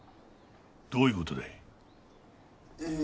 どういう事だい？